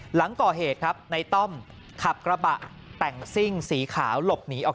หลังก่อเหตุครับในต้อมขับกระบะแต่งซิ่งสีขาวหลบหนีออก